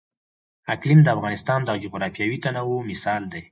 اقلیم د افغانستان د جغرافیوي تنوع مثال دی.